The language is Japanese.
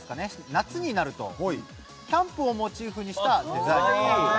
夏になるとキャンプをモチーフにしたデザインに。